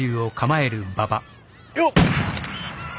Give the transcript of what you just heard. よっ！